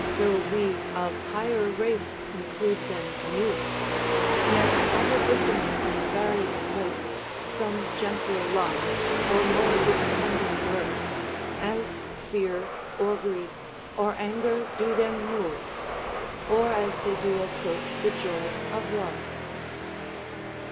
Though we of higher race conclude them mutes. Yet utter dissonant and various notes, From gentler lungs or more distended throats, As fear, or grief, or anger, do them move, Or as they do approach the joys of love."